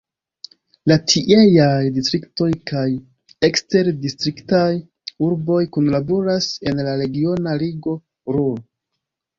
La tieaj distriktoj kaj eksterdistriktaj urboj kunlaboras en la regiona ligo Ruhr.